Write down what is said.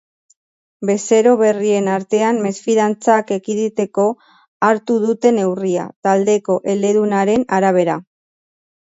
Bezero berrien artean mesfidantzak ekiditeko hartu dute neurria, taldeko eledunaren arabera.